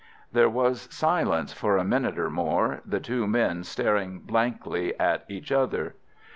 There was silence for a minute or more, the two men staring blankly at each other.